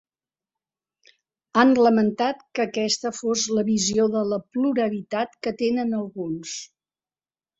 Han lamentat que aquesta fos ‘la visió de la pluralitat que tenen alguns’.